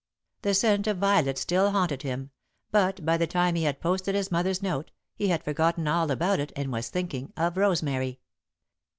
The scent of violet still haunted him, but, by the time he had posted his mother's note, he had forgotten all about it and was thinking of Rosemary.